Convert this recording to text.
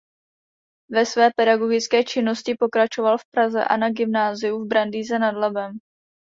Ve své pedagogické činnosti pokračoval v Praze a na gymnáziu v Brandýse nad Labem.